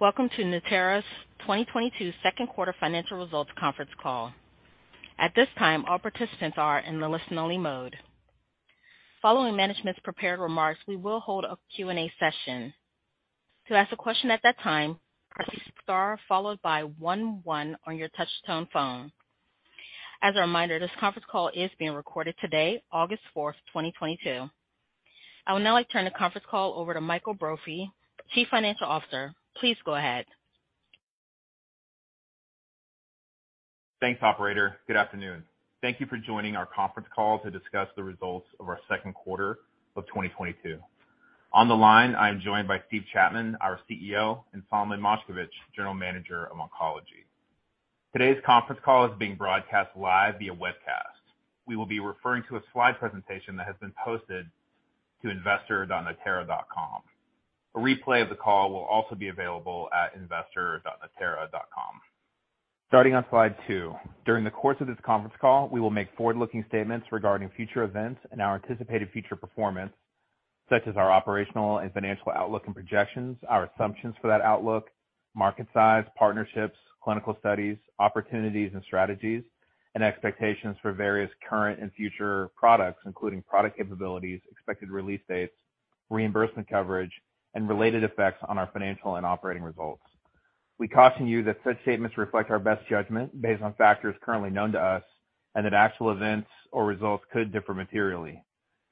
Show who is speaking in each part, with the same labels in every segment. Speaker 1: Welcome to Natera's 2022 Second Quarter Financial Results Conference Call. At this time, all participants are in listen only mode. Following management's prepared remarks, we will hold a Q&A session. To ask a question at that time, press star followed by one one on your touch tone phone. As a reminder, this conference call is being recorded today, August 4, 2022. I would now like to turn the conference call over to Michael Brophy, Chief Financial Officer. Please go ahead.
Speaker 2: Thanks, operator. Good afternoon. Thank you for joining our conference call to discuss the results of our second quarter of 2022. On the line, I am joined by Steve Chapman, our CEO, and Solomon Moshkevich, General Manager of Oncology. Today's conference call is being broadcast live via webcast. We will be referring to a slide presentation that has been posted to investor.natera.com. A replay of the call will also be available at investor.natera.com. Starting on slide two. During the course of this conference call, we will make forward-looking statements regarding future events and our anticipated future performance, such as our operational and financial outlook and projections, our assumptions for that outlook, market size, partnerships, clinical studies, opportunities and strategies, and expectations for various current and future products, including product capabilities, expected release dates, reimbursement coverage, and related effects on our financial and operating results. We caution you that such statements reflect our best judgment based on factors currently known to us, and that actual events or results could differ materially.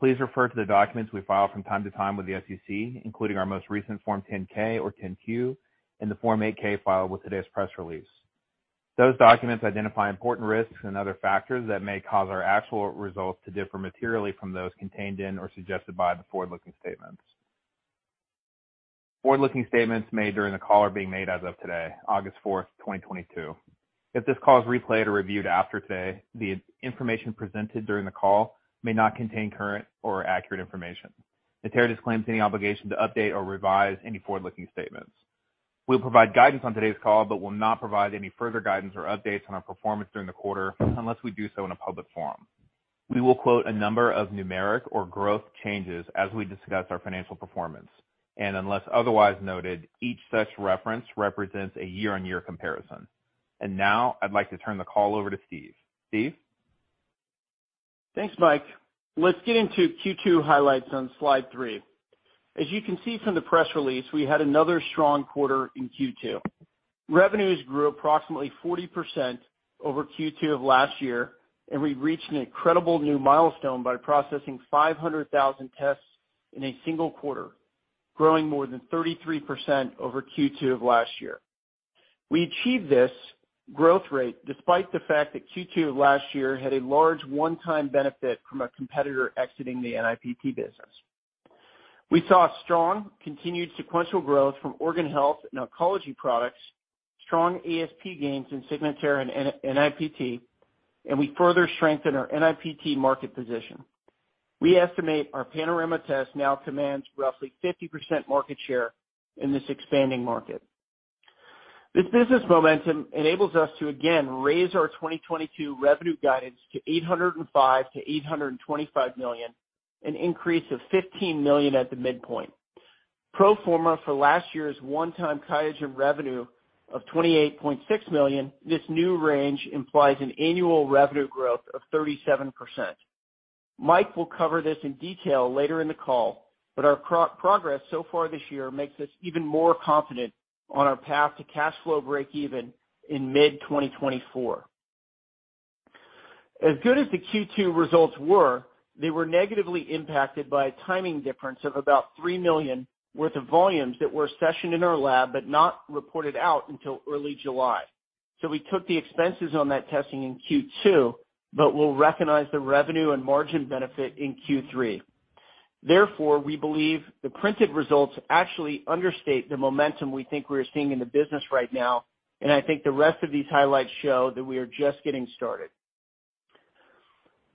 Speaker 2: Please refer to the documents we file from time to time with the SEC, including our most recent Form 10-K or 10-Q, and the Form 8-K filed with today's press release. Those documents identify important risks and other factors that may cause our actual results to differ materially from those contained in or suggested by the forward-looking statements. Forward-looking statements made during the call are being made as of today, August 4, 2022. If this call is replayed or reviewed after today, the information presented during the call may not contain current or accurate information. Natera disclaims any obligation to update or revise any forward-looking statements. We'll provide guidance on today's call, but will not provide any further guidance or updates on our performance during the quarter unless we do so in a public forum. We will quote a number of numeric or growth changes as we discuss our financial performance, and unless otherwise noted, each such reference represents a year-on-year comparison. Now I'd like to turn the call over to Steve. Steve?
Speaker 3: Thanks, Mike. Let's get into Q2 highlights on slide three. As you can see from the press release, we had another strong quarter in Q2. Revenues grew approximately 40% over Q2 of last year, and we reached an incredible new milestone by processing 500,000 tests in a single quarter, growing more than 33% over Q2 of last year. We achieved this growth rate despite the fact that Q2 of last year had a large one-time benefit from a competitor exiting the NIPT business. We saw strong continued sequential growth from organ health and oncology products, strong ASP gains in Signatera and NIPT, and we further strengthen our NIPT market position. We estimate our Panorama test now commands roughly 50% market share in this expanding market. This business momentum enables us to again raise our 2022 revenue guidance to $805 million-$825 million, an increase of $15 million at the midpoint. Pro forma for last year's one-time QIAGEN revenue of $28.6 million, this new range implies an annual revenue growth of 37%. Mike will cover this in detail later in the call, but our progress so far this year makes us even more confident on our path to cash flow breakeven in mid-2024. As good as the Q2 results were, they were negatively impacted by a timing difference of about $3 million worth of volumes that were accessioned in our lab but not reported out until early July. We took the expenses on that testing in Q2, but we'll recognize the revenue and margin benefit in Q3. Therefore, we believe the printed results actually understate the momentum we think we're seeing in the business right now, and I think the rest of these highlights show that we are just getting started.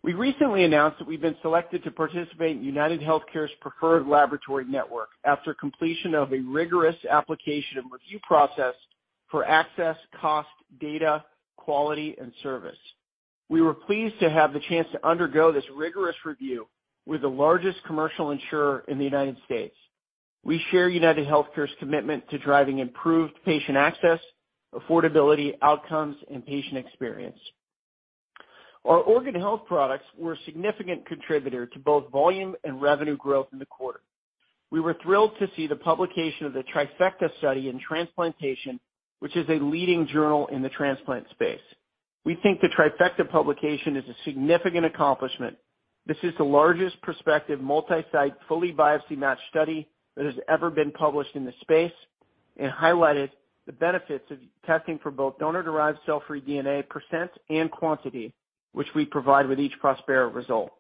Speaker 3: We recently announced that we've been selected to participate in UnitedHealthcare's preferred laboratory network after completion of a rigorous application and review process for access, cost, data, quality, and service. We were pleased to have the chance to undergo this rigorous review with the largest commercial insurer in the United States. We share UnitedHealthcare's commitment to driving improved patient access, affordability, outcomes, and patient experience. Our organ health products were a significant contributor to both volume and revenue growth in the quarter. We were thrilled to see the publication of the Trifecta study in Transplantation, which is a leading journal in the transplant space. We think the Trifecta publication is a significant accomplishment. This is the largest prospective multi-site, fully biopsy-matched study that has ever been published in the space and highlighted the benefits of testing for both donor-derived cell-free DNA percent and quantity, which we provide with each Prospera result.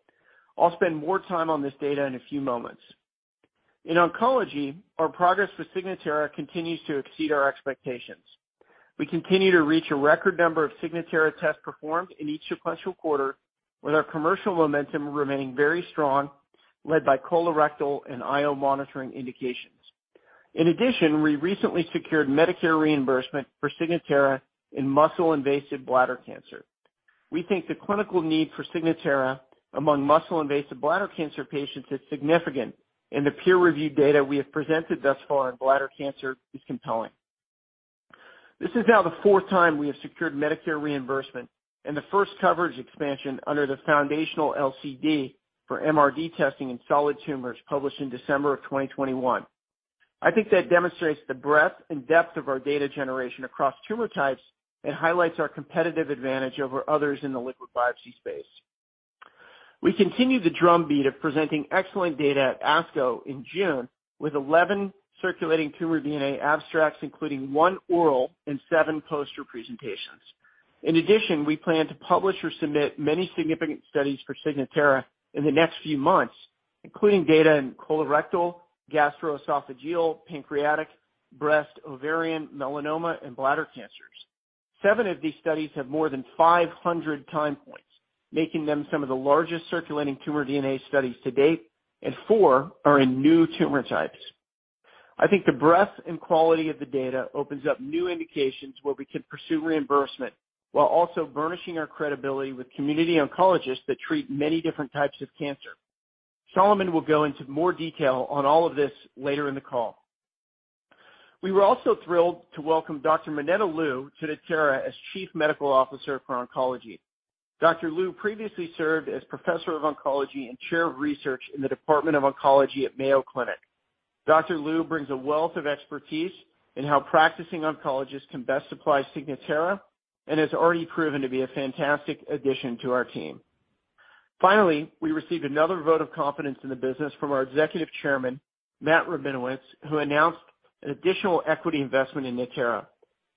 Speaker 3: I'll spend more time on this data in a few moments. In oncology, our progress with Signatera continues to exceed our expectations. We continue to reach a record number of Signatera tests performed in each sequential quarter, with our commercial momentum remaining very strong, led by colorectal and IO monitoring indications. In addition, we recently secured Medicare reimbursement for Signatera in muscle-invasive bladder cancer. We think the clinical need for Signatera among muscle-invasive bladder cancer patients is significant, and the peer-reviewed data we have presented thus far on bladder cancer is compelling. This is now the fourth time we have secured Medicare reimbursement and the first coverage expansion under the foundational LCD for MRD testing in solid tumors published in December of 2021. I think that demonstrates the breadth and depth of our data generation across tumor types and highlights our competitive advantage over others in the liquid biopsy space. We continue the drumbeat of presenting excellent data at ASCO in June with 11 circulating tumor DNA abstracts, including one oral and seven poster presentations. In addition, we plan to publish or submit many significant studies for Signatera in the next few months, including data in colorectal, gastroesophageal, pancreatic, breast, ovarian, melanoma, and bladder cancers. Seven of these studies have more than 500 time points, making them some of the largest circulating tumor DNA studies to date, and four are in new tumor types. I think the breadth and quality of the data opens up new indications where we can pursue reimbursement while also burnishing our credibility with community oncologists that treat many different types of cancer. Solomon will go into more detail on all of this later in the call. We were also thrilled to welcome Dr. Minetta Liu to Natera as Chief Medical Officer for Oncology. Dr. Liu previously served as Professor of Oncology and Chair of Research in the Department of Oncology at Mayo Clinic. Dr. Liu brings a wealth of expertise in how practicing oncologists can best apply Signatera and has already proven to be a fantastic addition to our team. Finally, we received another vote of confidence in the business from our Executive Chairman, Matt Rabinowitz, who announced an additional equity investment in Natera.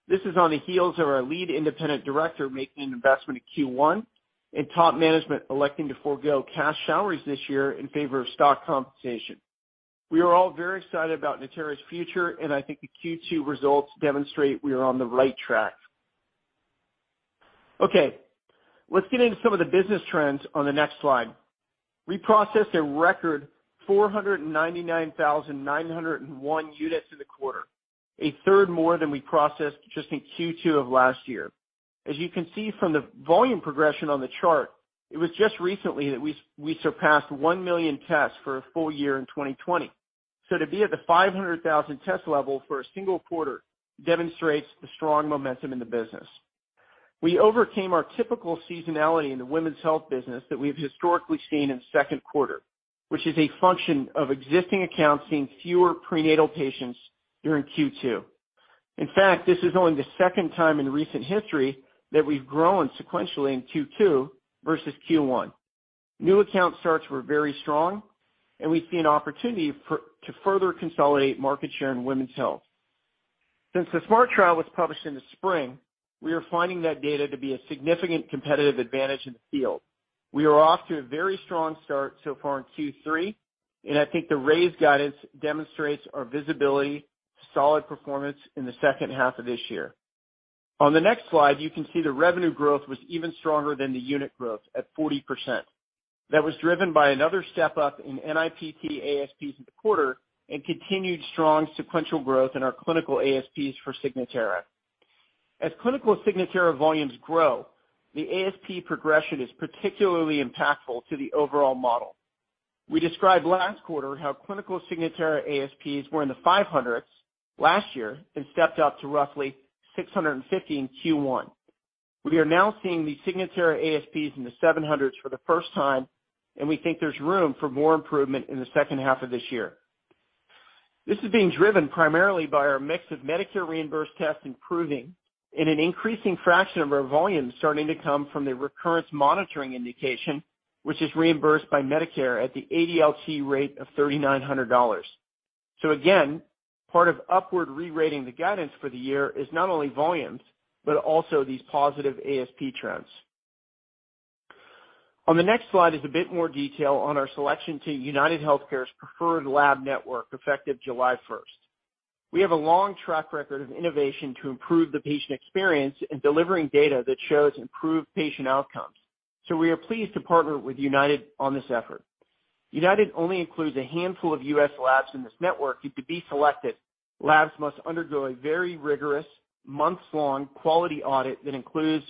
Speaker 3: This is on the heels of our lead independent director making an investment in Q1 and top management electing to forgo cash salaries this year in favor of stock compensation. We are all very excited about Natera's future, and I think the Q2 results demonstrate we are on the right track. Okay, let's get into some of the business trends on the next slide. We processed a record 499,901 units in the quarter, a third more than we processed just in Q2 of last year. As you can see from the volume progression on the chart, it was just recently that we surpassed 1 million tests for a full year in 2020. So to be at the 500,000 test level for a single quarter demonstrates the strong momentum in the business. We overcame our typical seasonality in the women's health business that we've historically seen in second quarter, which is a function of existing accounts seeing fewer prenatal patients during Q2. In fact, this is only the second time in recent history that we've grown sequentially in Q2 versus Q1. New account starts were very strong, and we see an opportunity to further consolidate market share in women's health. Since the SMART trial was published in the spring, we are finding that data to be a significant competitive advantage in the field. We are off to a very strong start so far in Q3, and I think the raised guidance demonstrates our visibility, solid performance in the second half of this year. On the next slide, you can see the revenue growth was even stronger than the unit growth at 40%. That was driven by another step-up in NIPT ASPs in the quarter and continued strong sequential growth in our clinical ASPs for Signatera. As clinical Signatera volumes grow, the ASP progression is particularly impactful to the overall model. We described last quarter how clinical Signatera ASPs were in the 500s last year and stepped up to roughly 650 in Q1. We are now seeing the Signatera ASPs in the 700s for the first time, and we think there's room for more improvement in the second half of this year. This is being driven primarily by our mix of Medicare reimbursed tests improving and an increasing fraction of our volumes starting to come from the recurrence monitoring indication, which is reimbursed by Medicare at the ADLT rate of $3,900. Again, part of upward rerating the guidance for the year is not only volumes, but also these positive ASP trends. On the next slide is a bit more detail on our selection to UnitedHealthcare's preferred lab network, effective July first. We have a long track record of innovation to improve the patient experience in delivering data that shows improved patient outcomes. We are pleased to partner with United on this effort. United only includes a handful of U.S. labs in this network, and to be selected, labs must undergo a very rigorous, months-long quality audit that includes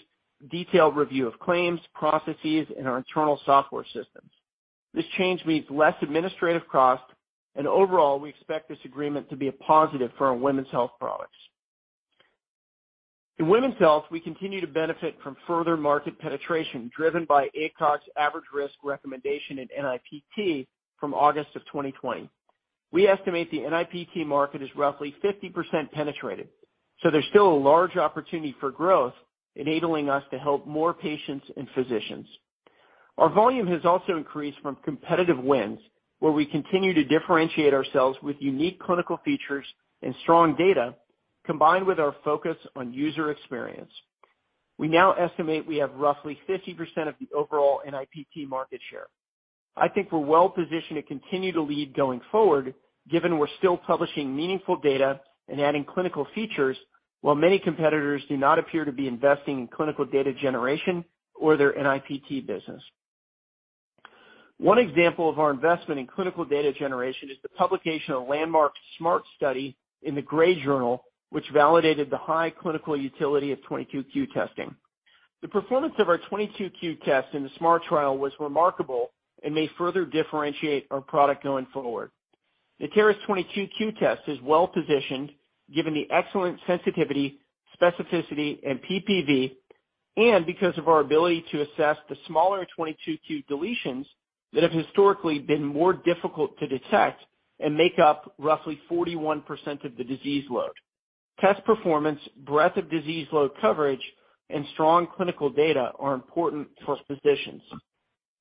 Speaker 3: detailed review of claims, processes, and our internal software systems. This change means less administrative cost, and overall, we expect this agreement to be a positive for our women's health products. In women's health, we continue to benefit from further market penetration driven by ACOG's average risk recommendation in NIPT from August of 2020. We estimate the NIPT market is roughly 50% penetrated, so there's still a large opportunity for growth, enabling us to help more patients and physicians. Our volume has also increased from competitive wins, where we continue to differentiate ourselves with unique clinical features and strong data combined with our focus on user experience. We now estimate we have roughly 50% of the overall NIPT market share. I think we're well positioned to continue to lead going forward, given we're still publishing meaningful data and adding clinical features while many competitors do not appear to be investing in clinical data generation or their NIPT business. One example of our investment in clinical data generation is the publication of landmark SMART study in The Gray Journal, which validated the high clinical utility of 22q testing. The performance of our 22q test in the SMART trial was remarkable and may further differentiate our product going forward. Natera's 22q test is well-positioned given the excellent sensitivity, specificity and PPV, and because of our ability to assess the smaller 22q deletions that have historically been more difficult to detect and make up roughly 41% of the disease load. Test performance, breadth of disease load coverage, and strong clinical data are important for physicians.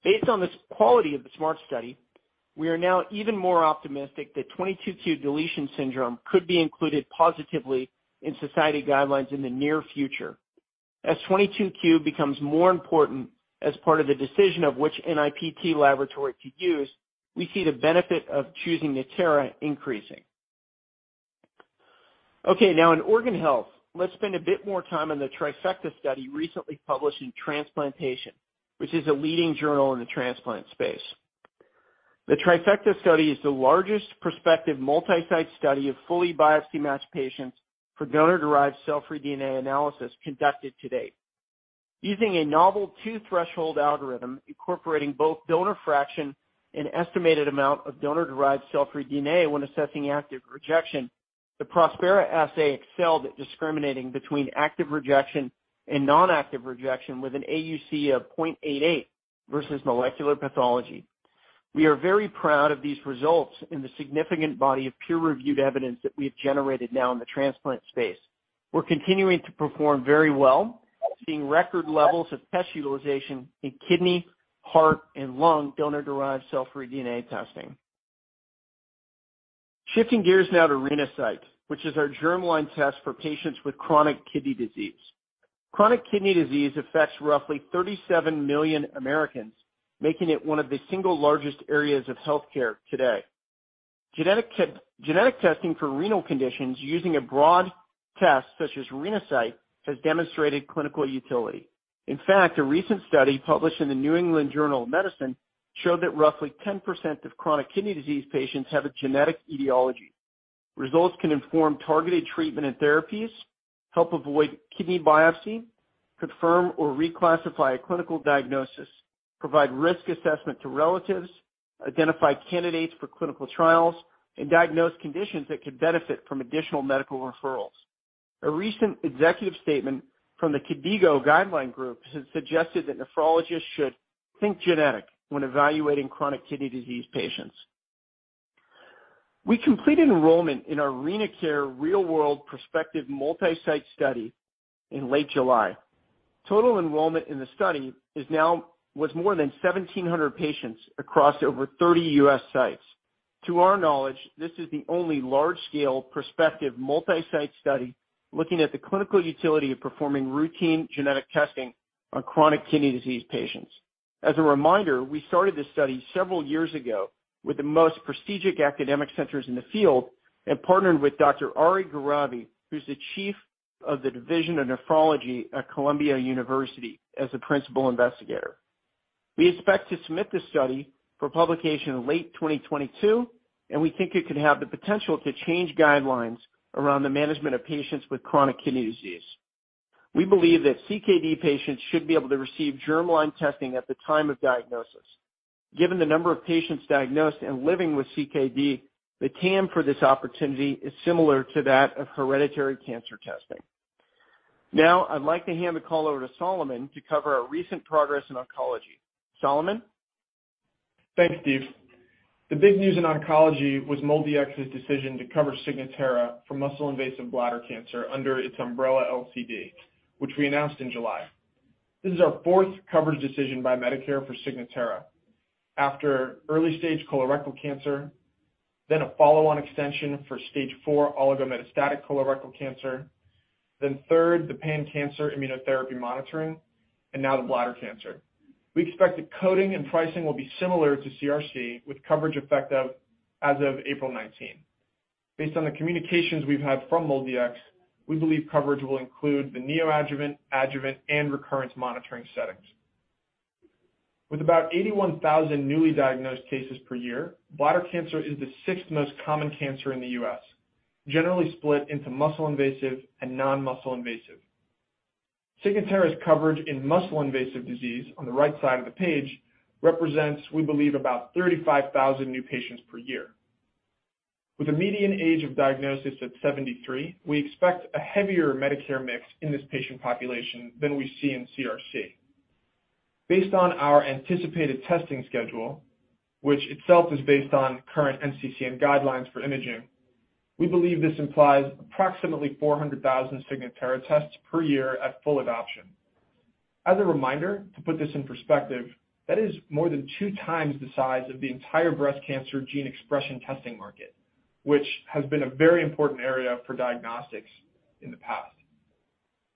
Speaker 3: Based on this quality of the SMART study, we are now even more optimistic that 22q deletion syndrome could be included positively in society guidelines in the near future. As 22q becomes more important as part of the decision of which NIPT laboratory to use, we see the benefit of choosing Natera increasing. Okay, now in organ health, let's spend a bit more time on the Trifecta study recently published in Transplantation, which is a leading journal in the transplant space. The Trifecta study is the largest prospective multi-site study of fully biopsy matched patients for donor-derived cell-free DNA analysis conducted to date. Using a novel two-threshold algorithm incorporating both donor fraction, an estimated amount of donor-derived cell-free DNA when assessing active rejection, the Prospera assay excelled at discriminating between active rejection and non-active rejection with an AUC of 0.88 versus molecular pathology. We are very proud of these results in the significant body of peer-reviewed evidence that we have generated now in the transplant space. We're continuing to perform very well, seeing record levels of test utilization in kidney, heart and lung donor-derived cell-free DNA testing. Shifting gears now to Renasight, which is our germline test for patients with chronic kidney disease. Chronic kidney disease affects roughly 37 million Americans, making it one of the single largest areas of health care today. Genetic testing for renal conditions using a broad test such as Renasight has demonstrated clinical utility. In fact, a recent study published in The New England Journal of Medicine showed that roughly 10% of chronic kidney disease patients have a genetic etiology. Results can inform targeted treatment and therapies, help avoid kidney biopsy, confirm or reclassify a clinical diagnosis, provide risk assessment to relatives, identify candidates for clinical trials, and diagnose conditions that could benefit from additional medical referrals. A recent executive statement from the KDIGO guideline group has suggested that nephrologists should think genetic when evaluating chronic kidney disease patients. We completed enrollment in our RenaCARE real-world prospective multi-site study in late July. Total enrollment in the study was more than 1,700 patients across over 30 U.S. sites. To our knowledge, this is the only large-scale prospective multi-site study looking at the clinical utility of performing routine genetic testing on chronic kidney disease patients. As a reminder, we started this study several years ago with the most prestigious academic centers in the field and partnered with Dr. Ali Gharavi, who's the chief of the division of nephrology at Columbia University as the principal investigator. We expect to submit this study for publication in late 2022, and we think it could have the potential to change guidelines around the management of patients with chronic kidney disease. We believe that CKD patients should be able to receive germline testing at the time of diagnosis. Given the number of patients diagnosed and living with CKD, the TAM for this opportunity is similar to that of hereditary cancer testing. Now I'd like to hand the call over to Solomon to cover our recent progress in oncology. Solomon?
Speaker 4: Thanks, Steve. The big news in oncology was MolDX's decision to cover Signatera for muscle-invasive bladder cancer under its umbrella LCD, which we announced in July. This is our fourth coverage decision by Medicare for Signatera after early-stage colorectal cancer, then a follow-on extension for stage four oligometastatic colorectal cancer, then third, the pan-cancer immunotherapy monitoring, and now the bladder cancer. We expect the coding and pricing will be similar to CRC, with coverage effective as of April 19. Based on the communications we've had from MolDX, we believe coverage will include the neoadjuvant, adjuvant, and recurrence monitoring settings. With about 81,000 newly diagnosed cases per year, bladder cancer is the sixth most common cancer in the U.S., generally split into muscle-invasive and non-muscle invasive. Signatera's coverage in muscle-invasive disease on the right side of the page represents, we believe, about 35,000 new patients per year. With a median age of diagnosis at 73, we expect a heavier Medicare mix in this patient population than we see in CRC. Based on our anticipated testing schedule, which itself is based on current NCCN guidelines for imaging, we believe this implies approximately 400,000 Signatera tests per year at full adoption. As a reminder, to put this in perspective, that is more than two times the size of the entire breast cancer gene expression testing market, which has been a very important area for diagnostics in the past.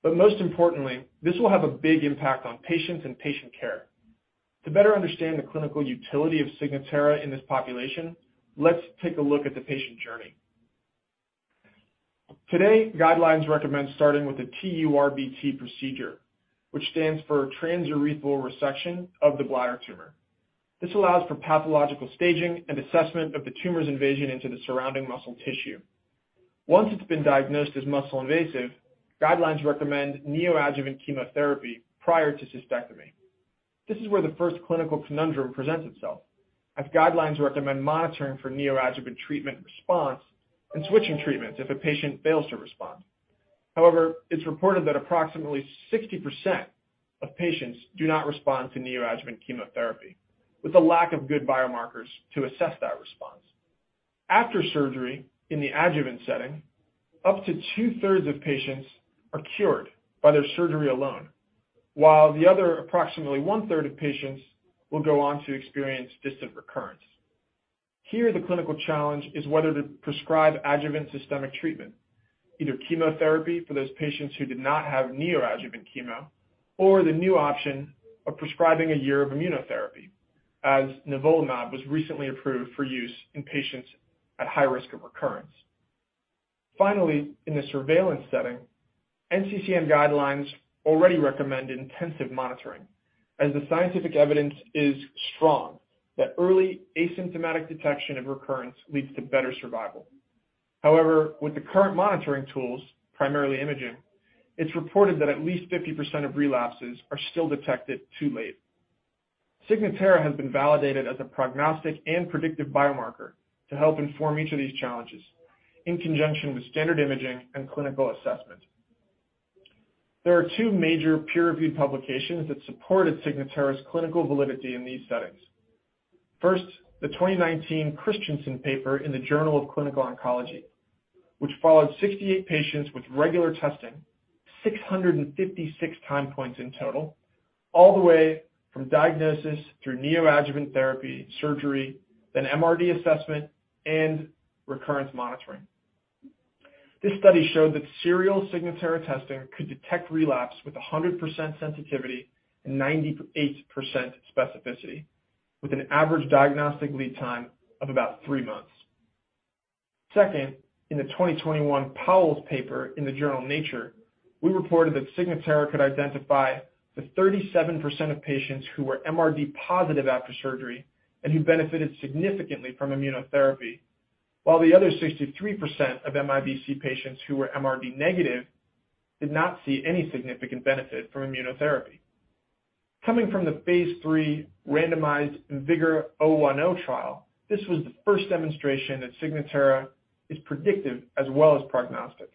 Speaker 4: Most importantly, this will have a big impact on patients and patient care. To better understand the clinical utility of Signatera in this population, let's take a look at the patient journey. Today, guidelines recommend starting with a TURBT procedure, which stands for transurethral resection of the bladder tumor. This allows for pathological staging and assessment of the tumor's invasion into the surrounding muscle tissue. Once it's been diagnosed as muscle invasive, guidelines recommend neoadjuvant chemotherapy prior to cystectomy. This is where the first clinical conundrum presents itself, as guidelines recommend monitoring for neoadjuvant treatment response and switching treatments if a patient fails to respond. However, it's reported that approximately 60% of patients do not respond to neoadjuvant chemotherapy, with a lack of good biomarkers to assess that response. After surgery in the adjuvant setting, up to two-thirds of patients are cured by their surgery alone, while the other approximately one-third of patients will go on to experience distant recurrence. Here, the clinical challenge is whether to prescribe adjuvant systemic treatment, either chemotherapy for those patients who did not have neoadjuvant chemo, or the new option of prescribing a year of immunotherapy, as nivolumab was recently approved for use in patients at high risk of recurrence. Finally, in the surveillance setting, NCCN guidelines already recommend intensive monitoring, as the scientific evidence is strong that early asymptomatic detection of recurrence leads to better survival. However, with the current monitoring tools, primarily imaging, it's reported that at least 50% of relapses are still detected too late. Signatera has been validated as a prognostic and predictive biomarker to help inform each of these challenges in conjunction with standard imaging and clinical assessment. There are two major peer-reviewed publications that supported Signatera's clinical validity in these settings. First, the 2019 Christensen paper in the Journal of Clinical Oncology, which followed 68 patients with regular testing, 656 time points in total, all the way from diagnosis through neoadjuvant therapy, surgery, then MRD assessment, and recurrence monitoring. This study showed that serial Signatera testing could detect relapse with 100% sensitivity and 98% specificity, with an average diagnostic lead time of about three months. Second, in the 2021 Powles's paper in the journal Nature, we reported that Signatera could identify the 37% of patients who were MRD positive after surgery and who benefited significantly from immunotherapy, while the other 63% of MIBC patients who were MRD negative did not see any significant benefit from immunotherapy. Coming from the phase III randomized IMvigor010 trial, this was the first demonstration that Signatera is predictive as well as prognostic.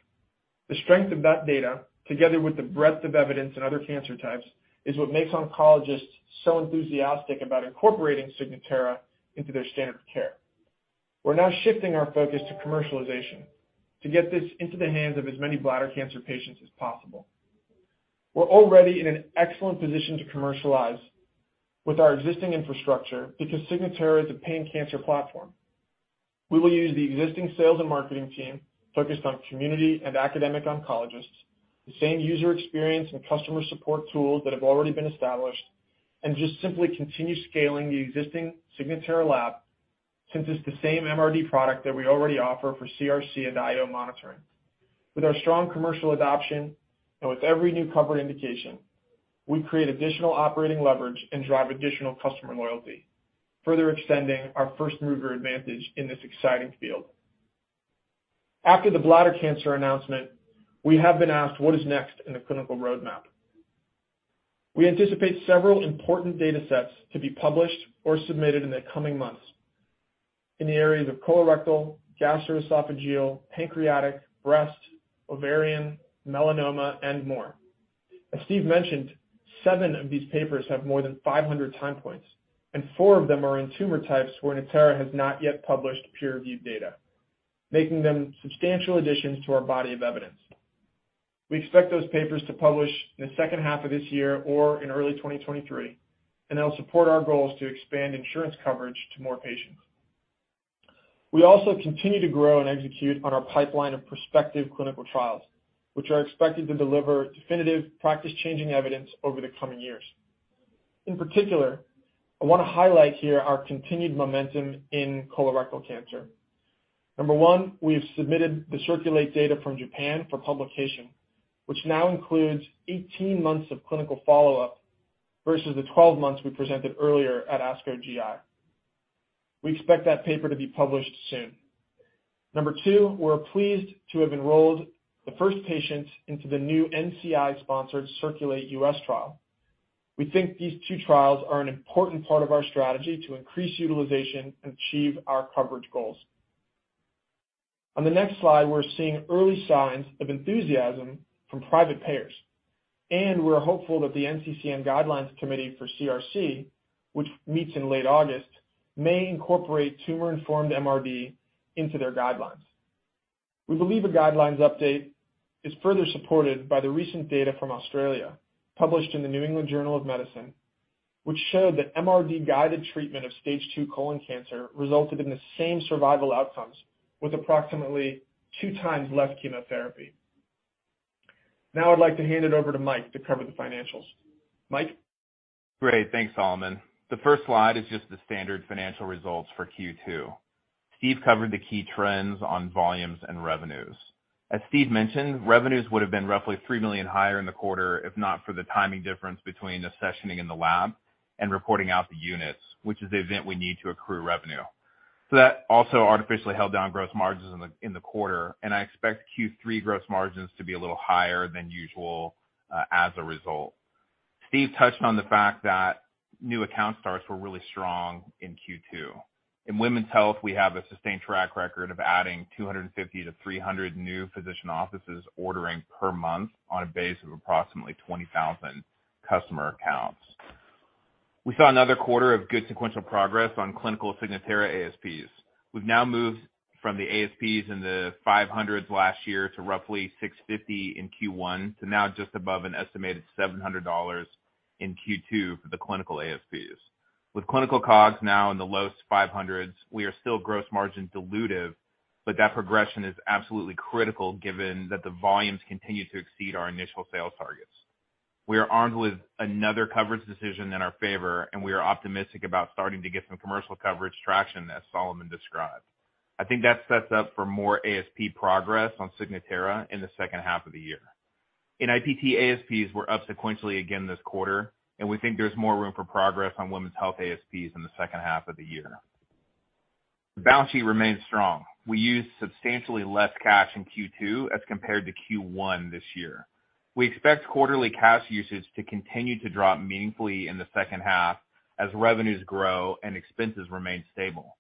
Speaker 4: The strength of that data, together with the breadth of evidence in other cancer types, is what makes oncologists so enthusiastic about incorporating Signatera into their standard of care. We're now shifting our focus to commercialization to get this into the hands of as many bladder cancer patients as possible. We're already in an excellent position to commercialize with our existing infrastructure because Signatera is a pan-cancer platform. We will use the existing sales and marketing team focused on community and academic oncologists, the same user experience and customer support tools that have already been established, and just simply continue scaling the existing Signatera lab since it's the same MRD product that we already offer for CRC and IO monitoring. With our strong commercial adoption and with every new covered indication, we create additional operating leverage and drive additional customer loyalty, further extending our first-mover advantage in this exciting field. After the bladder cancer announcement, we have been asked what is next in the clinical roadmap. We anticipate several important data sets to be published or submitted in the coming months in the areas of colorectal, gastroesophageal, pancreatic, breast, ovarian, melanoma, and more. As Steve mentioned, seven of these papers have more than 500 time points, and four of them are in tumor types where Natera has not yet published peer-reviewed data, making them substantial additions to our body of evidence. We expect those papers to publish in the second half of this year or in early 2023, and they'll support our goals to expand insurance coverage to more patients. We also continue to grow and execute on our pipeline of prospective clinical trials, which are expected to deliver definitive practice-changing evidence over the coming years. In particular, I want to highlight here our continued momentum in colorectal cancer. Number one, we have submitted the CIRCULATE data from Japan for publication, which now includes 18 months of clinical follow-up versus the 12 months we presented earlier at ASCO GI. We expect that paper to be published soon. Number two, we're pleased to have enrolled the first patients into the new NCI-sponsored CIRCULATE-US trial. We think these two trials are an important part of our strategy to increase utilization and achieve our coverage goals. On the next slide, we're seeing early signs of enthusiasm from private payers, and we're hopeful that the NCCN Guidelines Committee for CRC, which meets in late August, may incorporate tumor-informed MRD into their guidelines. We believe a guidelines update is further supported by the recent data from Australia, published in The New England Journal of Medicine, which showed that MRD-guided treatment of stage two colon cancer resulted in the same survival outcomes with approximately 2 times less chemotherapy. Now I'd like to hand it over to Mike to cover the financials. Mike?
Speaker 2: Great. Thanks, Solomon. The first slide is just the standard financial results for Q2. Steve covered the key trends on volumes and revenues. As Steve mentioned, revenues would have been roughly $3 million higher in the quarter, if not for the timing difference between the accessioning in the lab and reporting out the units, which is the event we need to accrue revenue. That also artificially held down gross margins in the quarter, and I expect Q3 gross margins to be a little higher than usual, as a result. Steve touched on the fact that new account starts were really strong in Q2. In women's health, we have a sustained track record of adding 250-300 new physician offices ordering per month on a base of approximately 20,000 customer accounts. We saw another quarter of good sequential progress on clinical Signatera ASPs. We've now moved from the ASPs in the 500s last year to roughly $650 in Q1, to now just above an estimated $700 in Q2 for the clinical ASPs. With clinical COGS now in the lowest 500s, we are still gross margins dilutive, but that progression is absolutely critical given that the volumes continue to exceed our initial sales targets. We are armed with another coverage decision in our favor, and we are optimistic about starting to get some commercial coverage traction, as Solomon described. I think that sets up for more ASP progress on Signatera in the second half of the year. In NIPT, ASPs were up sequentially again this quarter, and we think there's more room for progress on women's health ASPs in the second half of the year. The balance sheet remains strong. We used substantially less cash in Q2 as compared to Q1 this year. We expect quarterly cash usage to continue to drop meaningfully in the second half as revenues grow and expenses remain stable.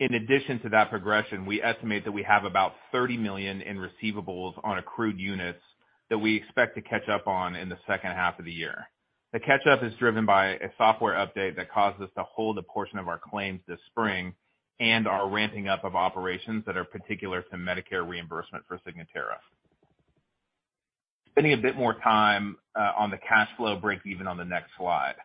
Speaker 2: In addition to that progression, we estimate that we have about $30 million in receivables on accrued units that we expect to catch up on in the second half of the year. The catch-up is driven by a software update that caused us to hold a portion of our claims this spring and our ramping up of operations that are particular to Medicare reimbursement for Signatera. Spending a bit more time on the cash flow breakeven on the next slide.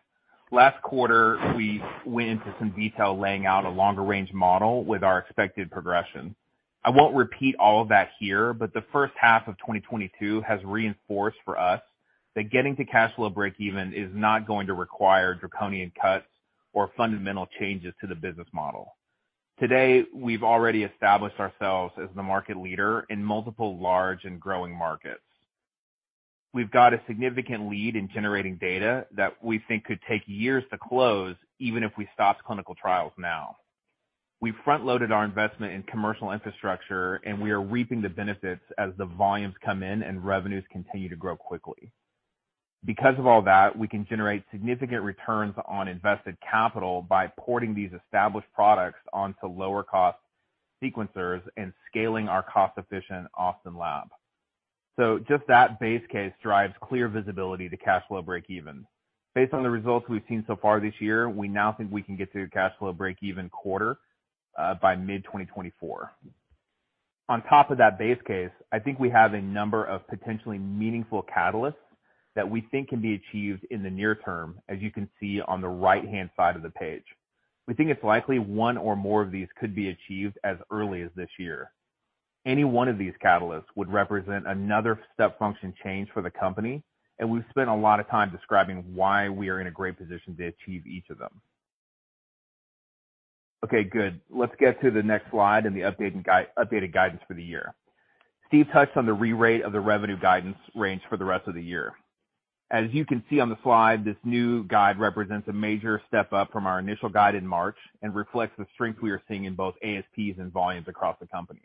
Speaker 2: Last quarter, we went into some detail laying out a longer range model with our expected progression. I won't repeat all of that here, but the first half of 2022 has reinforced for us that getting to cash flow breakeven is not going to require draconian cuts or fundamental changes to the business model. Today, we've already established ourselves as the market leader in multiple large and growing markets. We've got a significant lead in generating data that we think could take years to close, even if we stopped clinical trials now. We front-loaded our investment in commercial infrastructure, and we are reaping the benefits as the volumes come in and revenues continue to grow quickly. Because of all that, we can generate significant returns on invested capital by porting these established products onto lower cost sequencers and scaling our cost-efficient Austin lab. Just that base case drives clear visibility to cash flow breakeven. Based on the results we've seen so far this year, we now think we can get to cash flow breakeven quarter by mid-2024. On top of that base case, I think we have a number of potentially meaningful catalysts that we think can be achieved in the near term, as you can see on the right-hand side of the page. We think it's likely one or more of these could be achieved as early as this year. Any one of these catalysts would represent another step function change for the company, and we've spent a lot of time describing why we are in a great position to achieve each of them. Okay, good. Let's get to the next slide and the updated guidance for the year. Steve touched on the re-rate of the revenue guidance range for the rest of the year. As you can see on the slide, this new guide represents a major step up from our initial guide in March and reflects the strength we are seeing in both ASPs and volumes across the company.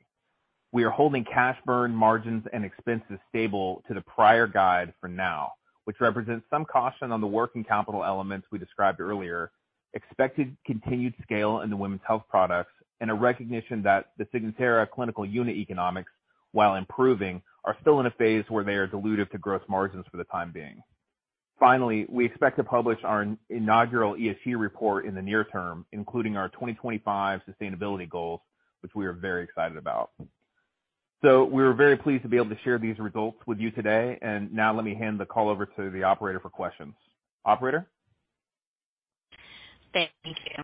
Speaker 2: We are holding cash burn margins and expenses stable to the prior guide for now, which represents some caution on the working capital elements we described earlier, expected continued scale in the women's health products, and a recognition that the Signatera clinical unit economics, while improving, are still in a phase where they are dilutive to gross margins for the time being. Finally, we expect to publish our inaugural ESG report in the near term, including our 2025 sustainability goals, which we are very excited about. We're very pleased to be able to share these results with you today. Now let me hand the call over to the operator for questions. Operator?
Speaker 1: Thank you.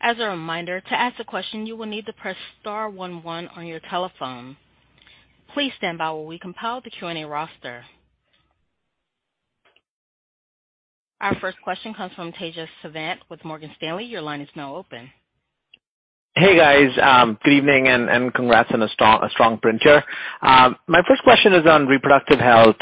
Speaker 1: As a reminder, to ask a question, you will need to press star one one on your telephone. Please stand by while we compile the Q&A roster. Our first question comes from Tejas Savant with Morgan Stanley. Your line is now open.
Speaker 5: Hey, guys, good evening and congrats on a strong quarter. My first question is on reproductive health.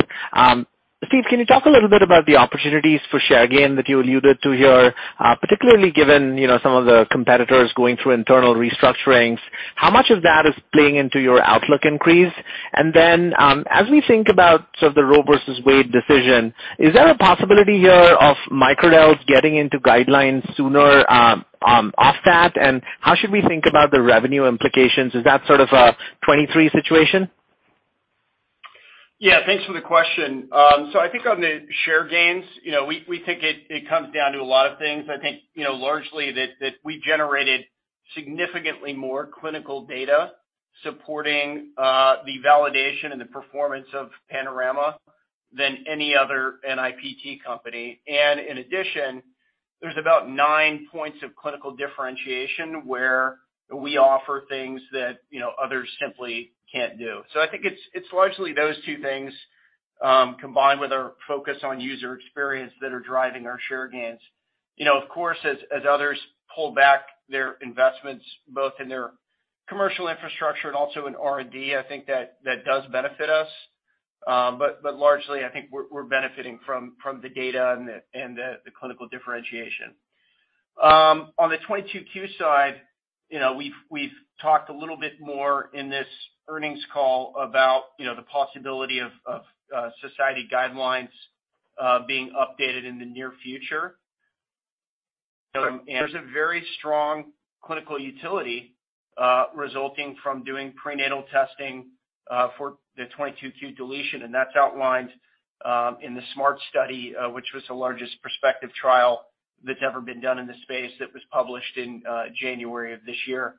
Speaker 5: Steve, can you talk a little bit about the opportunities for share gain that you alluded to here, particularly given, you know, some of the competitors going through internal restructurings. How much of that is playing into your outlook increase? And then, as we think about sort of the Roe v. Wade decision, is there a possibility here of microdeletion getting into guidelines sooner, off that? And how should we think about the revenue implications? Is that sort of a 2023 situation?
Speaker 3: Yeah, thanks for the question. I think on the share gains, you know, we think it comes down to a lot of things. I think, you know, largely that we generated significantly more clinical data supporting the validation and the performance of Panorama than any other NIPT company. In addition, there's about nine points of clinical differentiation where we offer things that, you know, others simply can't do. I think it's largely those two things combined with our focus on user experience that are driving our share gains. You know, of course, as others pull back their investments, both in their commercial infrastructure and also in R&D, I think that does benefit us. Largely, I think we're benefiting from the data and the clinical differentiation. On the 22q side, you know, we've talked a little bit more in this earnings call about, you know, the possibility of society guidelines being updated in the near future. There's a very strong clinical utility resulting from doing prenatal testing for the 22q deletion, and that's outlined in the SMART study, which was the largest prospective trial that's ever been done in this space that was published in January of this year.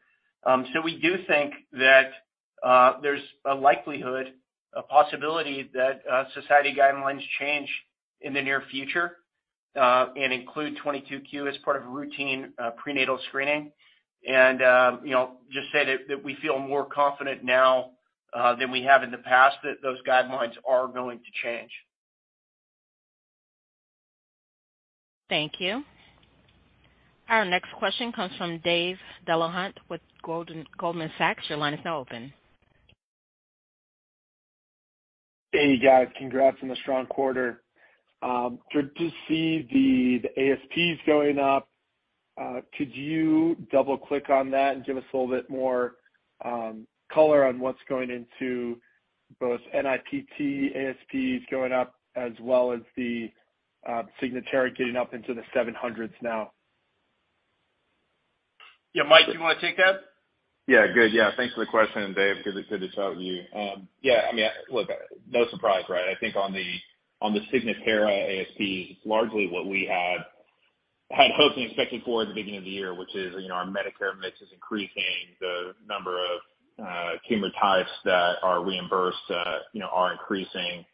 Speaker 3: We do think that there's a likelihood, a possibility that society guidelines change in the near future, and include 22q as part of a routine prenatal screening. You know, just say that we feel more confident now than we have in the past that those guidelines are going to change.
Speaker 1: Thank you. Our next question comes from Dave Delahunt with Goldman Sachs. Your line is now open.
Speaker 6: Hey, guys. Congrats on the strong quarter. Good to see the ASPs going up. Could you double-click on that and give us a little bit more color on what's going into both NIPT ASPs going up as well as the Signatera getting up into the $700s now?
Speaker 3: Yeah. Mike, do you wanna take that?
Speaker 2: Yeah. Good. Yeah. Thanks for the question, Dave. Good to talk to you. Yeah, I mean, look, no surprise, right? I think on the Signatera ASP, largely what we had hoped and expected for at the beginning of the year, which is, you know, our Medicare mix is increasing the number of tumor types that are reimbursed, you know, are increasing,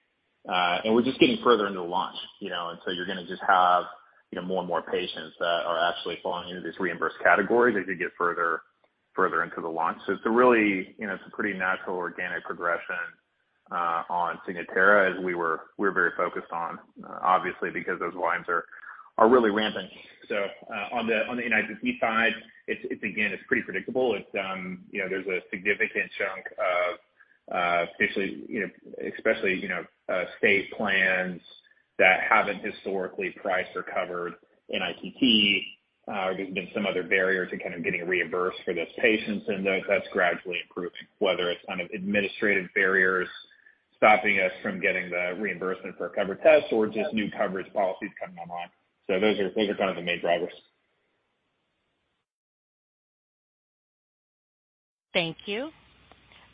Speaker 2: and we're just getting further into the launch, you know. You're gonna just have, you know, more and more patients that are actually falling into this reimbursed category as you get further into the launch. It's a really, you know, it's a pretty natural organic progression on Signatera as we're very focused on, obviously, because those lines are really ramping. On the NIPT side, it's again pretty predictable. It's you know there's a significant chunk of especially you know state plans that haven't historically priced or covered NIPT. There's been some other barriers to kind of getting reimbursed for those patients, and that's gradually improved, whether it's kind of administrative barriers stopping us from getting the reimbursement for a covered test or just new coverage policies coming online. Those are kind of the main drivers.
Speaker 1: Thank you.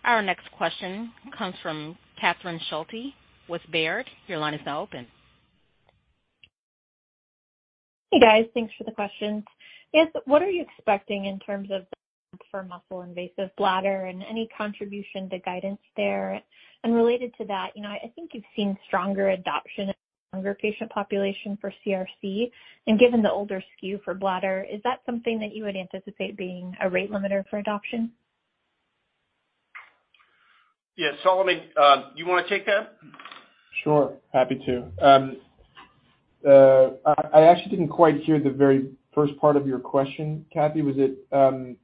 Speaker 1: Our next question comes from Catherine Schulte with Baird. Your line is now open.
Speaker 7: Hey, guys. Thanks for the questions. Yes. What are you expecting in terms of for muscle-invasive bladder and any contribution to guidance there? Related to that, you know, I think you've seen stronger adoption of younger patient population for CRC. Given the older skew for bladder, is that something that you would anticipate being a rate limiter for adoption?
Speaker 3: Yeah. Solomon, you wanna take that?
Speaker 4: Sure. Happy to. I actually didn't quite hear the very first part of your question, Kathy. Was it,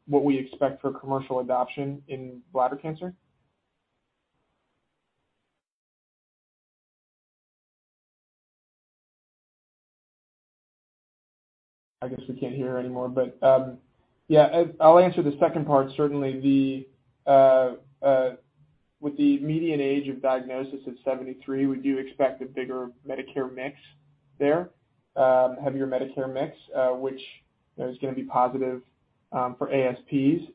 Speaker 4: what we expect for commercial adoption in bladder cancer? I guess we can't hear anymore, but, yeah, I'll answer the second part. Certainly, with the median age of diagnosis at 73, we do expect a bigger Medicare mix there, heavier Medicare mix, which is gonna be positive, for ASPs.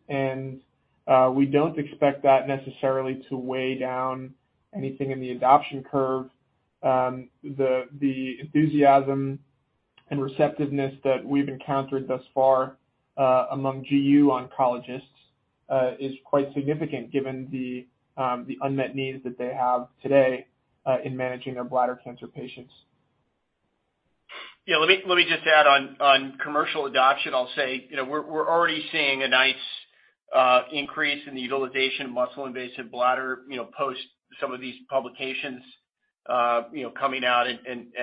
Speaker 4: We don't expect that necessarily to weigh down anything in the adoption curve. The enthusiasm and receptiveness that we've encountered thus far, among GU oncologists, is quite significant given the unmet needs that they have today, in managing their bladder cancer patients.
Speaker 3: Yeah. Let me just add on commercial adoption. I'll say, you know, we're already seeing a nice increase in the utilization of muscle-invasive bladder, you know, post some of these publications coming out and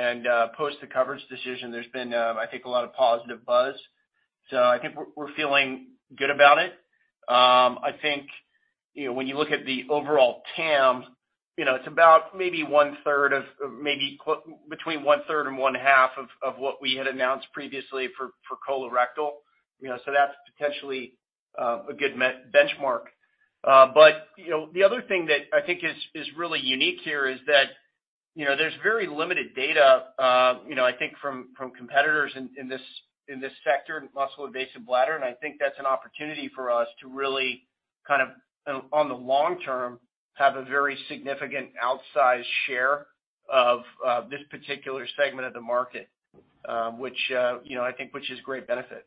Speaker 3: post the coverage decision. There's been, I think, a lot of positive buzz. I think we're feeling good about it. I think, you know, when you look at the overall TAM, you know, it's about maybe one-third of maybe between one-third and one-half of what we had announced previously for colorectal. You know, so that's potentially a good benchmark. But, the other thing that I think is really unique here is that, you know, there's very limited data, you know, I think from competitors in this sector, muscle-invasive bladder. I think that's an opportunity for us to really kind of, on the long term, have a very significant outsized share of this particular segment of the market, which you know, I think is great benefit.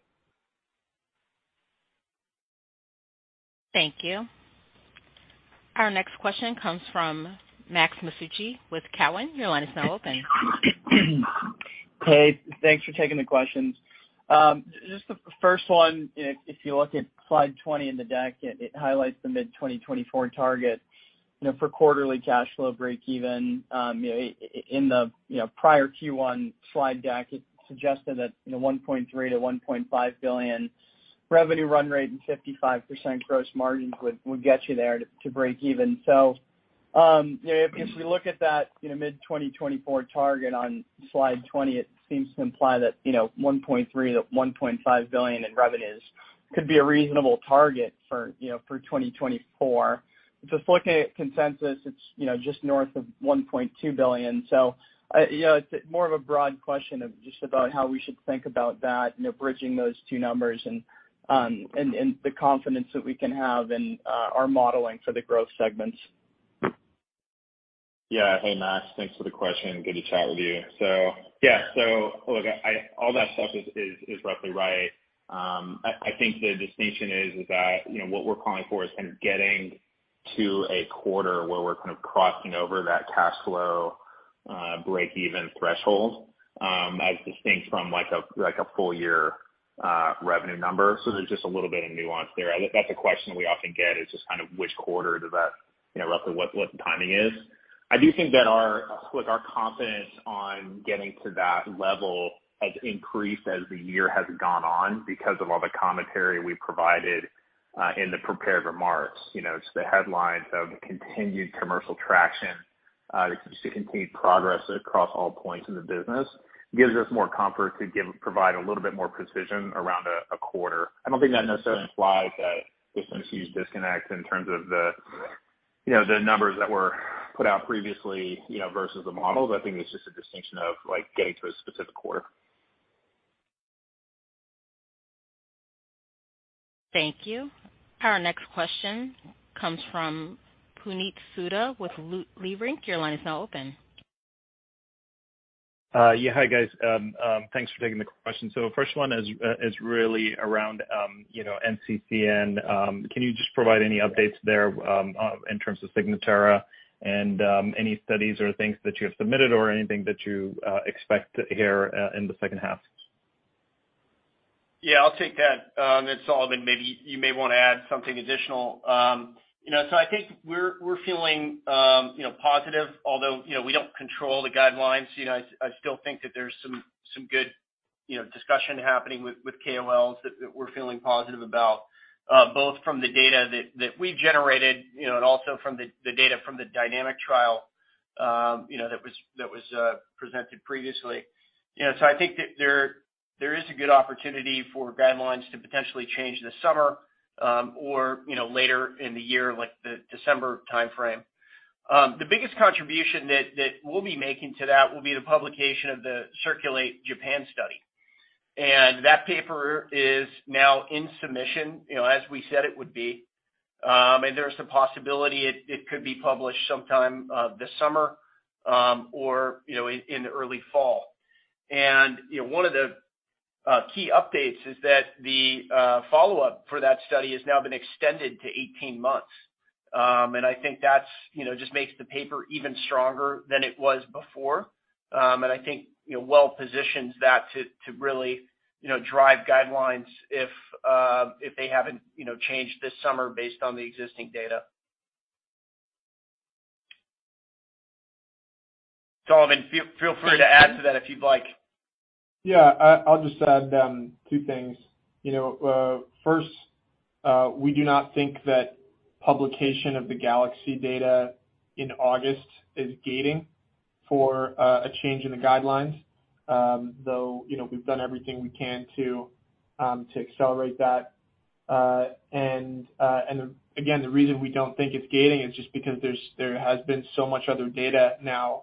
Speaker 1: Thank you. Our next question comes from Max Masucci with Cowen. Your line is now open.
Speaker 8: Hey, thanks for taking the questions. Just the first one, if you look at slide 20 in the deck, it highlights the mid-2024 target, you know, for quarterly cash flow breakeven. You know, in the prior Q1 slide deck, it suggested that, you know, $1.3 billion-$1.5 billion revenue run rate and 55% gross margins would get you there to breakeven. You know, if we look at that, you know, mid-2024 target on slide 20, it seems to imply that, you know, $1.3 billion-$1.5 billion in revenues could be a reasonable target for, you know, for 2024. Just looking at consensus, it's, you know, just north of $1.2 billion. You know, it's more of a broad question of just about how we should think about that, you know, bridging those two numbers and the confidence that we can have in our modeling for the growth segments.
Speaker 2: Yeah. Hey, Max. Thanks for the question. Good to chat with you. Look, all that stuff is roughly right. I think the distinction is that, you know, what we're calling for is kind of getting to a quarter where we're kind of crossing over that cash flow breakeven threshold, as distinct from like a full year revenue number. There's just a little bit of nuance there. I think that's a question we often get, just kind of which quarter does that, you know, roughly what the timing is. I do think that our confidence on getting to that level has increased as the year has gone on because of all the commentary we provided in the prepared remarks. You know, it's the headlines of continued commercial traction to see continued progress across all points in the business. It gives us more comfort to provide a little bit more precision around a quarter. I don't think that necessarily implies a huge disconnect in terms of you know, the numbers that were put out previously, you know, versus the models. I think it's just a distinction of, like, getting to a specific quarter.
Speaker 1: Thank you. Our next question comes from Puneet Souda with Leerink. Your line is now open.
Speaker 9: Yeah. Hi, guys. Thanks for taking the question. First one is really around you know NCCN. Can you just provide any updates there in terms of Signatera and any studies or things that you have submitted or anything that you expect to hear in the second half?
Speaker 3: Yeah, I'll take that, and Solomon, maybe you may wanna add something additional. You know, I think we're feeling, you know, positive. Although, you know, we don't control the guidelines, you know, I still think that there's some good, you know, discussion happening with KOLs that we're feeling positive about, both from the data that we generated, you know, and also from the data from the DYNAMIC trial, you know, that was presented previously. You know, I think that there is a good opportunity for guidelines to potentially change this summer, or, you know, later in the year, like the December timeframe. The biggest contribution that we'll be making to that will be the publication of the CIRCULATE-Japan study. That paper is now in submission, you know, as we said it would be. There's some possibility it could be published sometime this summer, you know, or in the early fall. You know, one of the key updates is that the follow-up for that study has now been extended to 18 months. I think that's, you know, just makes the paper even stronger than it was before. I think, you know, well positions that to really, you know, drive guidelines if they haven't, you know, changed this summer based on the existing data. Solomon, feel free to add to that if you'd like.
Speaker 4: I'll just add two things. You know, first, we do not think that publication of the GALAXY data in August is gating for a change in the guidelines. Though, you know, we've done everything we can to accelerate that. And again, the reason we don't think it's gating is just because there has been so much other data now,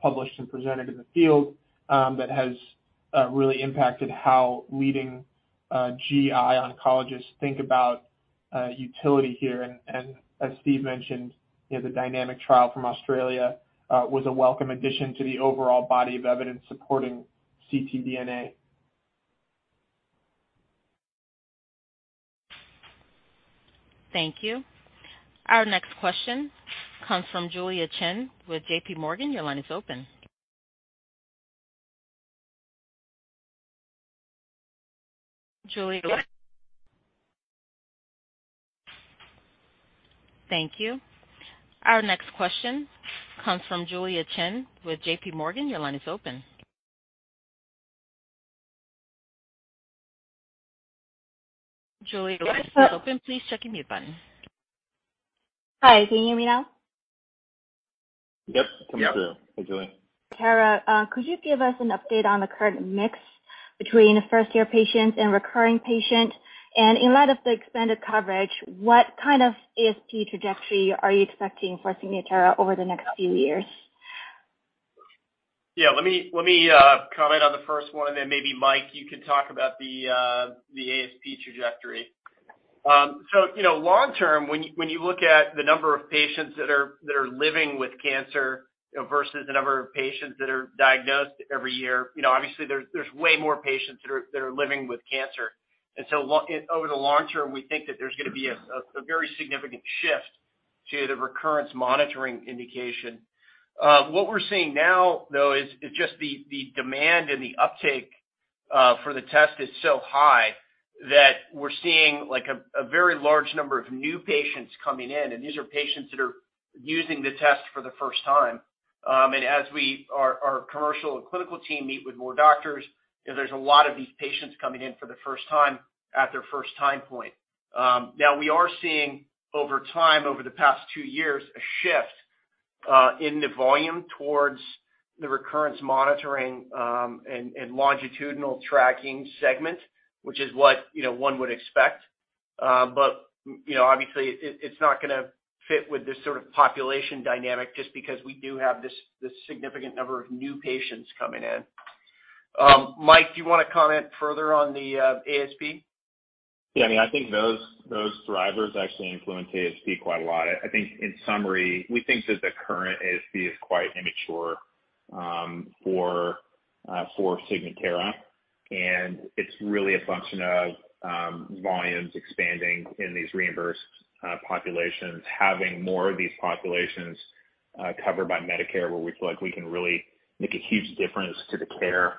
Speaker 4: published and presented in the field, that has really impacted how leading GI oncologists think about utility here. As Steve mentioned, you know, the DYNAMIC trial from Australia was a welcome addition to the overall body of evidence supporting ctDNA.
Speaker 1: Thank you. Our next question comes from Julia Qin with JPMorgan. Your line is open. Thank you. Our next question comes from Julia Qin with JPMorgan. Your line is open. Julia your line is open. Please check your mute button.
Speaker 10: Hi. Can you hear me now?
Speaker 2: Yep.
Speaker 3: Yep. Comes through. Hi, Julia.
Speaker 10: All right. Could you give us an update on the current mix between first year patients and recurring patient? In light of the expanded coverage, what kind of ASP trajectory are you expecting for Signatera over the next few years?
Speaker 3: Yeah, let me comment on the first one, and then maybe Mike, you could talk about the ASP trajectory. You know, long term, when you look at the number of patients that are living with cancer versus the number of patients that are diagnosed every year, you know, obviously there's way more patients that are living with cancer. Over the long term, we think that there's gonna be a very significant shift to the recurrence monitoring indication. What we're seeing now though is just the demand and the uptake for the test is so high that we're seeing like a very large number of new patients coming in, and these are patients that are using the test for the first time. Our commercial and clinical team meet with more doctors, you know, there's a lot of these patients coming in for the first time at their first time point. Now we are seeing over time, over the past two years, a shift in the volume towards the recurrence monitoring and longitudinal tracking segment, which is what, you know, one would expect. You know, obviously it's not gonna fit with this sort of population dynamic just because we do have this significant number of new patients coming in. Mike, do you wanna comment further on the ASP?
Speaker 2: Yeah, I mean, I think those drivers actually influence ASP quite a lot. I think in summary, we think that the current ASP is quite immature for Signatera, and it's really a function of volumes expanding in these reimbursed populations, having more of these populations covered by Medicare, where we feel like we can really make a huge difference to the care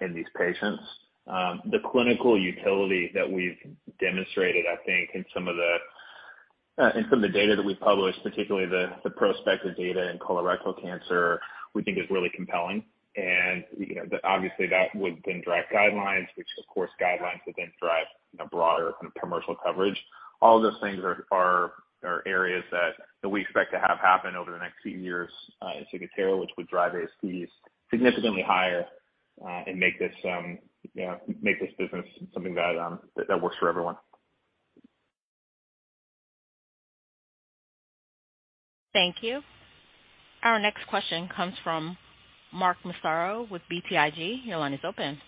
Speaker 2: in these patients. The clinical utility that we've demonstrated, I think in some of the data that we've published, particularly the prospective data in colorectal cancer, we think is really compelling. You know, obviously that would then drive guidelines, which of course guidelines would then drive a broader kind of commercial coverage. All of those things are areas that we expect to have happen over the next few years in Signatera, which would drive ASPs significantly higher, and make this, you know, business something that works for everyone.
Speaker 1: Thank you. Our next question comes from Mark Massaro with BTIG. Your line is open.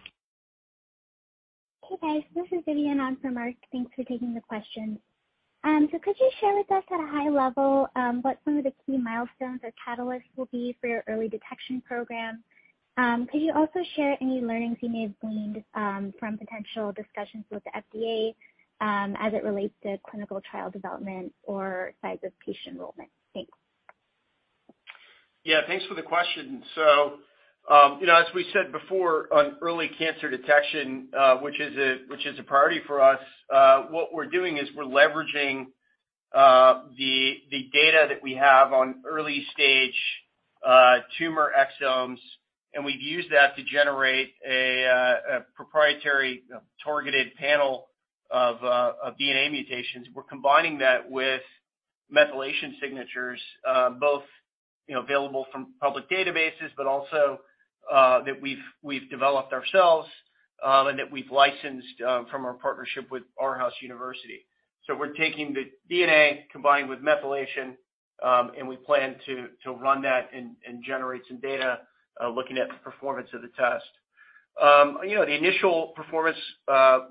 Speaker 11: Hey, guys. This is Vidyun on for Mark. Thanks for taking the question. Could you share with us at a high level, what some of the key milestones or catalysts will be for your early detection program? Could you also share any learnings you may have gained, from potential discussions with the FDA, as it relates to clinical trial development or size of patient enrollment? Thanks.
Speaker 3: Yeah, thanks for the question. You know, as we said before, on early cancer detection, which is a priority for us, what we're doing is we're leveraging the data that we have on early stage tumor exomes, and we've used that to generate a proprietary targeted panel of DNA mutations. We're combining that with methylation signatures, both, you know, available from public databases, but also that we've developed ourselves, and that we've licensed from our partnership with Aarhus University. We're taking the DNA combined with methylation, and we plan to run that and generate some data looking at the performance of the test. You know, the initial performance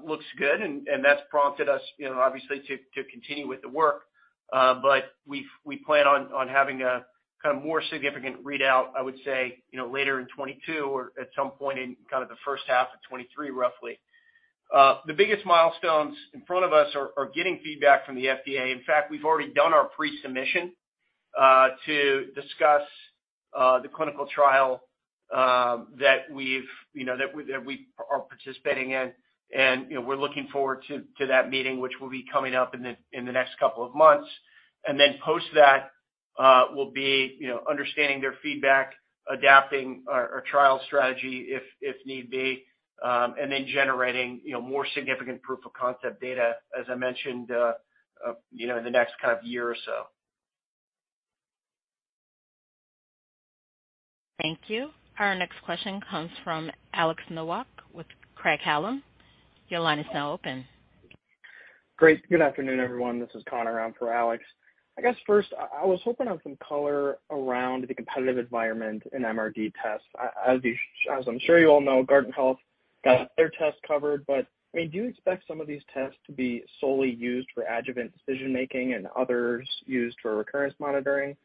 Speaker 3: looks good and that's prompted us, you know, obviously to continue with the work. But we plan on having a kind of more significant readout, I would say, you know, later in 2022 or at some point in kind of the first half of 2023 roughly. The biggest milestones in front of us are getting feedback from the FDA. In fact, we've already done our pre-submission to discuss the clinical trial that we are participating in. You know, we're looking forward to that meeting, which will be coming up in the next couple of months. Post that, we'll be, you know, understanding their feedback, adapting our trial strategy if need be, and then generating, you know, more significant proof of concept data, as I mentioned, you know, in the next kind of year or so.
Speaker 1: Thank you. Our next question comes from Alex Nowak with Craig-Hallum. Your line is now open.
Speaker 12: Great. Good afternoon, everyone. This is Connor on for Alex. I guess first, I was hoping for some color around the competitive environment in MRD tests. As I'm sure you all know, Guardant Health got their test covered. I mean, do you expect some of these tests to be solely used for adjuvant decision-making and others used for recurrence monitoring?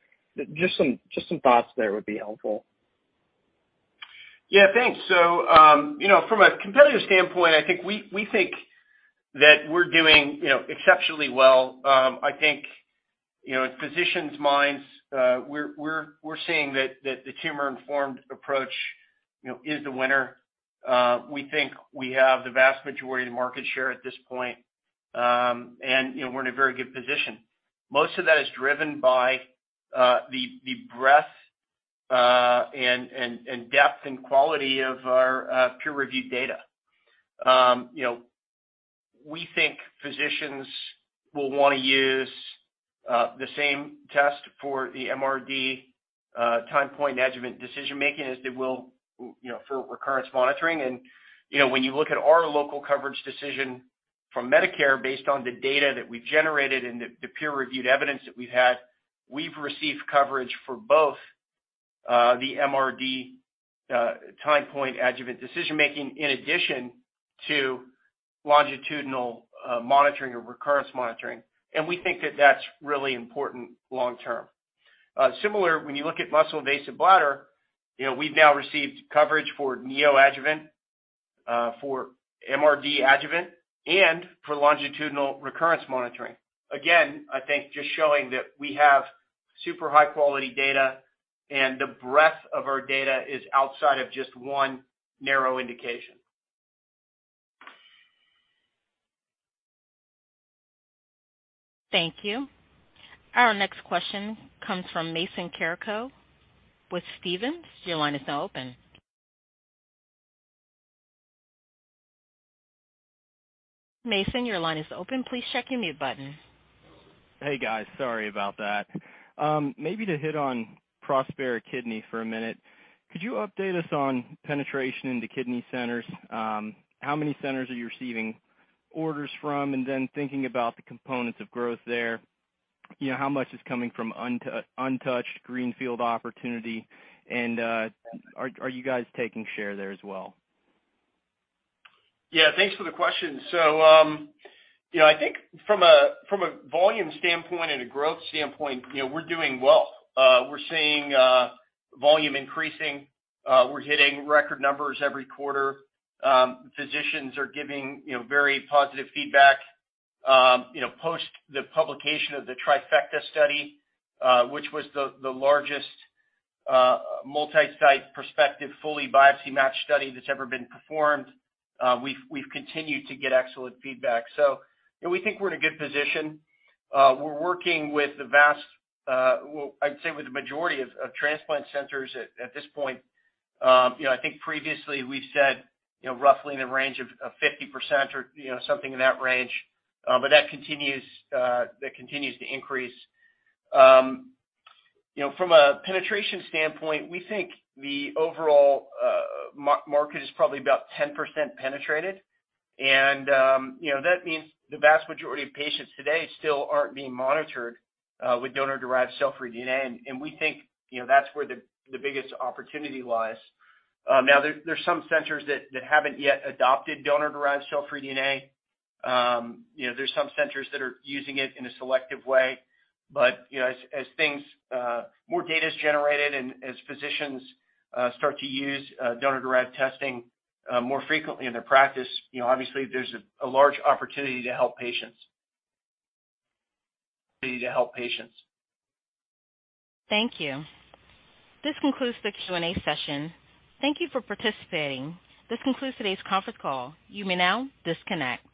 Speaker 12: Just some thoughts there would be helpful.
Speaker 3: Yeah, thanks. You know, from a competitive standpoint, I think we think that we're doing you know, exceptionally well. I think you know, in physicians' minds, we're seeing that the tumor-informed approach you know, is the winner. We think we have the vast majority of the market share at this point. You know, we're in a very good position. Most of that is driven by the breadth and depth and quality of our peer-reviewed data. You know, we think physicians will wanna use the same test for the MRD time point adjuvant decision-making as they will you know, for recurrence monitoring. You know, when you look at our local coverage decision from Medicare based on the data that we generated and the peer-reviewed evidence that we've had, we've received coverage for both the MRD time point adjuvant decision-making in addition to longitudinal monitoring or recurrence monitoring, and we think that that's really important long term. Similar, when you look at muscle-invasive bladder, you know, we've now received coverage for neoadjuvant, for MRD adjuvant and for longitudinal recurrence monitoring. Again, I think just showing that we have super high quality data and the breadth of our data is outside of just one narrow indication.
Speaker 1: Thank you. Our next question comes from Mason Carrico with Stephens. Your line is now open. Mason, your line is open. Please check your mute button.
Speaker 13: Hey, guys, sorry about that. Maybe to hit on Prospera kidney for a minute. Could you update us on penetration into kidney centers? How many centers are you receiving orders from? Thinking about the components of growth there, you know, how much is coming from untouched greenfield opportunity, and are you guys taking share there as well?
Speaker 3: Yeah, thanks for the question. You know, I think from a volume standpoint and a growth standpoint, you know, we're doing well. We're seeing volume increasing. We're hitting record numbers every quarter. Physicians are giving, you know, very positive feedback. Post the publication of the Trifecta study, which was the largest multi-site prospective, fully biopsy-matched study that's ever been performed, we've continued to get excellent feedback. You know, we think we're in a good position. We're working with the vast, well, I'd say with the majority of transplant centers at this point. You know, I think previously we've said, you know, roughly in the range of 50% or, you know, something in that range. That continues to increase. You know, from a penetration standpoint, we think the overall market is probably about 10% penetrated. You know, that means the vast majority of patients today still aren't being monitored with donor-derived cell-free DNA. We think, you know, that's where the biggest opportunity lies. There's some centers that haven't yet adopted donor-derived cell-free DNA. You know, there's some centers that are using it in a selective way. You know, as more data is generated and as physicians start to use donor-derived testing more frequently in their practice, you know, obviously there's a large opportunity to help patients.
Speaker 1: Thank you. This concludes the Q&A session. Thank you for participating. This concludes today's conference call. You may now disconnect.